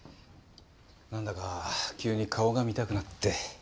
何だか急に顔が見たくなって。